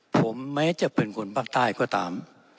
ผมแม้จะเป็นคนภาคใต้ก็ตาม